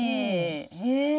へえ。